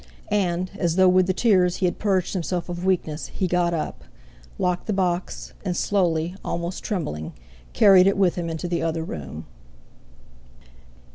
And as though with the tears he had purged himself of weakness, he got up, locked the box, and slowly, almost trembling, carried it with him into the other room.